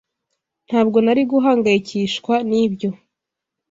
Ntabwo nari guhangayikishwa nibyo.